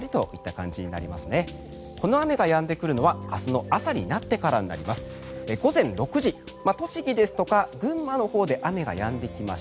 この雨がやんでくるのは明日の朝になってからになります。